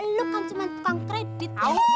lo kan cuma tukang kredit